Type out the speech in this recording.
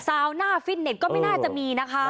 หน้าฟิตเน็ตก็ไม่น่าจะมีนะคะ